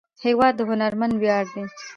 هېواد د هنرمند ویاړ دی.